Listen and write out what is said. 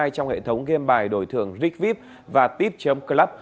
trong hệ thống game bài đổi thượng rick vip và tip club